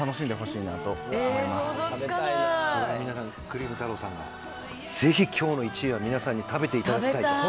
クリーム太朗さんがぜひ今日の１位は皆さんに食べていただきたいと。